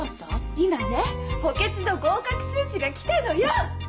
今ね補欠の合格通知が来たのよ！